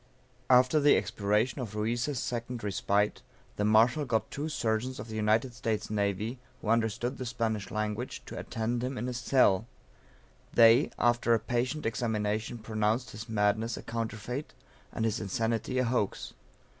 After the expiration of Ruiz' second respite, the Marshal got two surgeons of the United States Navy, who understood the Spanish language, to attend him in his cell; they, after a patient examination pronounced his madness a counterfeit, and his insanity a hoax.